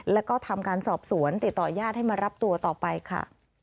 แล้วก็ทำการสอบสวนติดต่อญาติให้มารับตัวต่อไปค่ะ